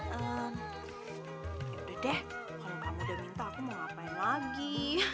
yaudah deh kalau kamu udah minta aku mau ngapain lagi